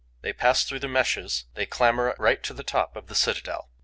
They pass through the meshes, they clamber right to the top of the citadel.